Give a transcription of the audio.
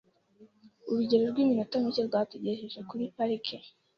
Urugendo rw'iminota mike rwatugejeje kuri parike .